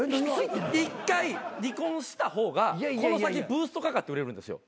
一回離婚した方がこの先ブーストかかって売れるんですよ。